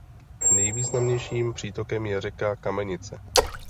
Nejvýznamnějším přítokem je řeka Kamenice.